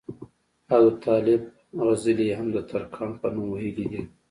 او د طالب غزلې ئې هم دترکاڼ پۀ نوم وئيلي دي